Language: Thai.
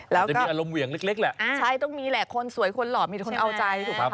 แล้วจะมีอารมณ์เหวี่ยงเล็กแหละใช่ต้องมีแหละคนสวยคนหล่อมีคนเอาใจถูกไหม